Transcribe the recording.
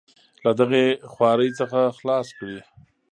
له دغې خوارۍ څخه خلاص کړي.